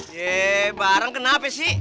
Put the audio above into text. yee bareng kenapa sih